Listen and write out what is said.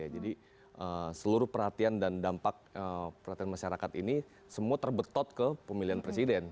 jadi seluruh perhatian dan dampak perhatian masyarakat ini semua terbetot ke pemilihan presiden